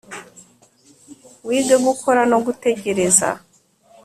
wige gukora no gutegereza.